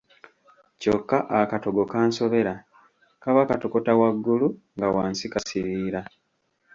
Kyokka akatogo kansobera, kaba katokota waggulu nga wansi kasiiriira.